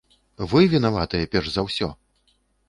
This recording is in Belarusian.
Вы вінаватыя, перш за ўсё!